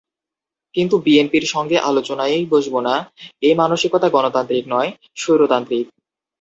কিন্তু বিএনপির সঙ্গে আলোচনায়ই বসব না এই মানসিকতা গণতান্ত্রিক নয়, স্বৈরতান্ত্রিক।